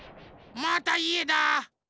またいえだ！